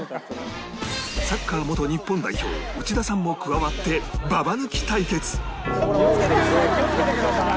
サッカー元日本代表内田さんも加わって持ってるわ。